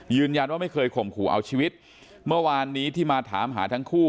ไม่เคยข่มขู่เอาชีวิตเมื่อวานนี้ที่มาถามหาทั้งคู่